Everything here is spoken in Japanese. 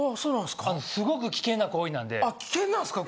すごく危険な行為なんであっ危険なんですか？